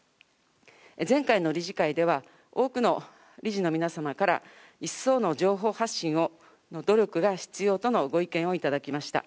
前回の理事会では、多くの理事の皆様から一層の情報発信の努力が必要とのご意見を頂きました。